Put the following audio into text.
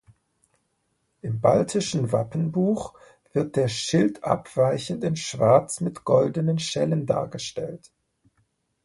Im Baltischen Wappenbuch wird der Schild abweichend in Schwarz mit goldenen Schellen dargestellt.